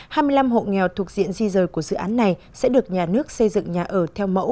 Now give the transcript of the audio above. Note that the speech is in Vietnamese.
hai mươi năm hộ nghèo thuộc diện di rời của dự án này sẽ được nhà nước xây dựng nhà ở theo mẫu